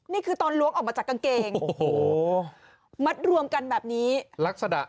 นี่คือตอนล้วงออกมาจากกางเกงโอ้โหมัดรวมกันแบบนี้ลักษณะ